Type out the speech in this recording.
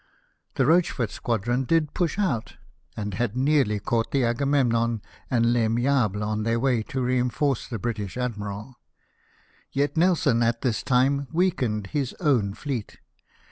The Rochefort squadron did push out, and had nearly caught the AgaTneinnon and VAimable on their way to reinforce the British Admiral. Yet Nelson at this time weakened his own fleet.